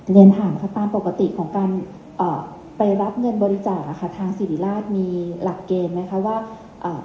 เรียนถามค่ะตามปกติของการอ่าไปรับเงินบริจาคอ่ะค่ะทางสิริราชมีหลักเกณฑ์ไหมคะว่าอ่า